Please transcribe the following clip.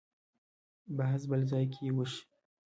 بحث بل ځای کې وشي.